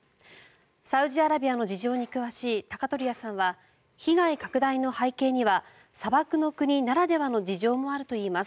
サウジアラビアの事情に詳しい鷹鳥屋さんは被害拡大の背景には砂漠の国ならではの事情もあるといいます。